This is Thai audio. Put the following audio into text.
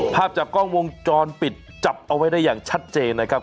ภาพจากกล้องวงจรปิดจับเอาไว้ได้อย่างชัดเจนนะครับ